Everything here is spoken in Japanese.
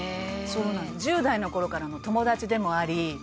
「１０代の頃からの友達でもあり」